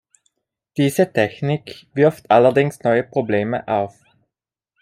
Diese Technik wirft allerdings neue Probleme auf.